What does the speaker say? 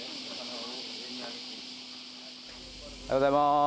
おはようございます。